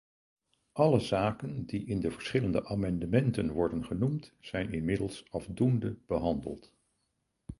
Alle zaken die in de verschillende amendementen worden genoemd zijn inmiddels afdoende behandeld.